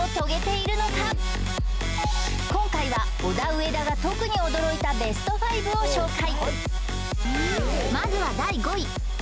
今回はオダウエダが特に驚いたベスト５を紹介